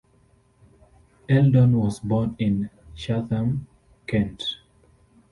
Eldon was born in Chatham, Kent.